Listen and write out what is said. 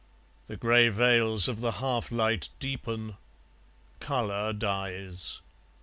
The grey veils of the half light deepen; colour dies.